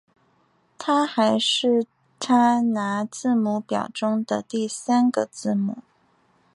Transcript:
它还是它拿字母表中的第三个字母。